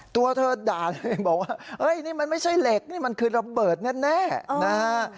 ตัวเธอด่าตัวเองบอกว่าเฮ้ยนี่มันไม่ใช่เหล็กนี่มันคือระเบิดแน่นะฮะ